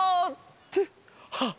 ってあっ！